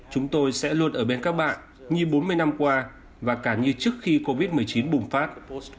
chúng tôi sẽ luôn ở bên các bạn như bốn mươi năm qua và cả như trước khi covid một mươi chín bùng phát